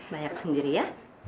banyak sendiri ya